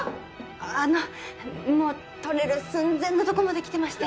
あのもう取れる寸前のとこまできてまして。